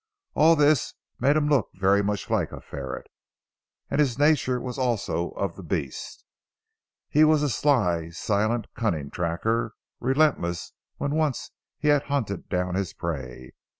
All this made him look very much like a ferret. And his nature was also of the beast. He was a sly, silent, cunning tracker, relentless when once he had hunted down his prey.